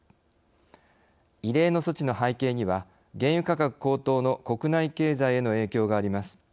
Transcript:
異例の措置の背景には原油価格高騰の国内経済への影響があります。